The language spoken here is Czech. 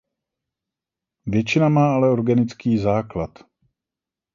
Většina má ale organický základ.